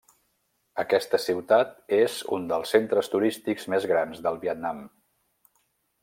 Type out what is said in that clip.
Aquesta ciutat és un dels centres turístics més grans del Vietnam.